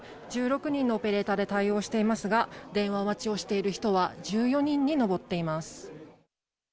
１６人のオペレーターで対応していますが、電話待ちをしている人は１４人に上っています。